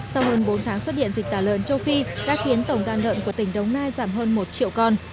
sau hơn bốn tháng xuất điện dịch tà lợn châu phi đã khiến tổng đàn lợn của tỉnh đống nai giảm hơn một triệu con